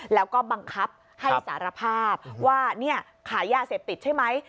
แล้วก็บังคับให้สารภาพว่าเนี่ยขายยาเสพติดใช่ไหม